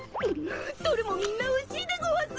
どれもみんなおいしいでごわす！